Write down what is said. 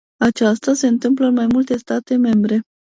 Aceasta se întâmplă în mai multe state membre.